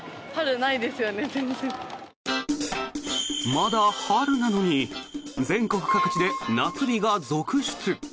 まだ春なのに全国各地で夏日が続出。